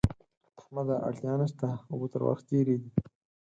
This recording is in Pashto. احمده! اړتیا نه شته؛ اوبه تر ورخ تېرې دي.